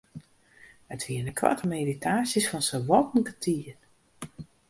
It wiene koarte meditaasjes fan sawat in kertier.